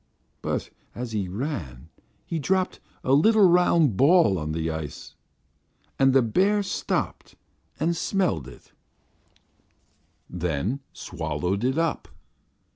But as he ran he dropped a little round ball on the ice. And the bear stopped and smelled of it, then swallowed it up.